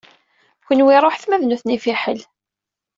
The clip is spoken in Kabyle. Kenwi ṛuḥet ma d nutni fiḥel.